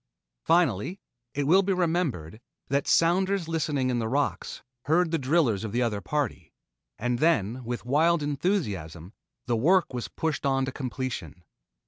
Finally, it will be remembered, that sounders listening in the rocks heard the drillers of the other party, and then with wild enthusiasm the work was pushed on to completion.